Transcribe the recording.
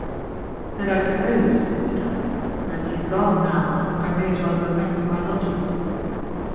"And I suppose," said I, "as he is gone now, I may as well go back to my lodgings."